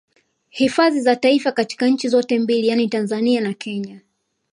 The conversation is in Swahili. Hifadhi za Taifa katika nchi zote mbili yani Tanzania na Kenya